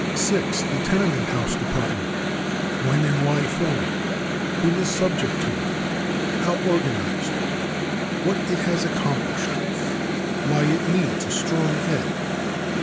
6. The Tenement House Department. When and why formed? Who is subject to it? How organized? What it has accomplished. Why it needs a strong head.